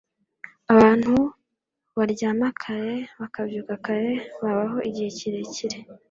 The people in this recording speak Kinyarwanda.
Abantu baryama kare bakabyuka kare babaho igihe kirekire